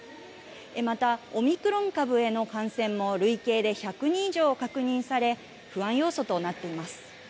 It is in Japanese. また、オミクロン株への感染も累計で１００人以上確認され、不安要素となっています。